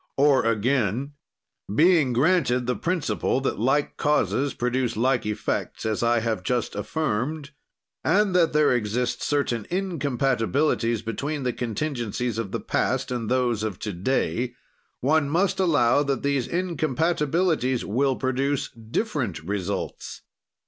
"Or again: "Being granted the principle that like causes produce like effects, as I have just affirmed, and that there exist certain incompatibilities between the contingencies of the past and those of to day, one must allow that these incompatibilities will produce different results.